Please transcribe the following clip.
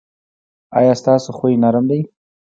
ایا ستاسو خوی نرم دی؟